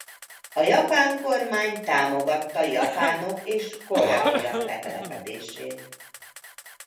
A japán kormány támogatta japánok és koreaiak letelepedését.